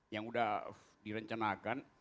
yang udah direncanakan